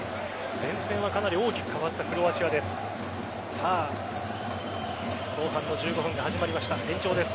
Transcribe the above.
前線はかなり大きく変わったクロアチアです。